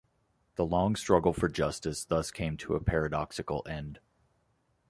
The long struggle for justice thus came to a paradoxical end.